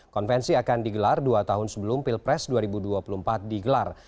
konvensi akan digelar dua tahun sebelum pilpres dua ribu dua puluh empat digelar